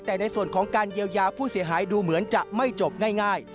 แต่ในส่วนของการเยียวยาผู้เสียหายดูเหมือนจะไม่จบง่าย